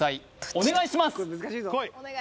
お願いします